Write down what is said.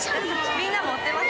みんな持ってます。